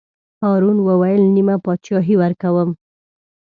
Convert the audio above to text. هارون وویل: نیمه بادشاهي ورکووم.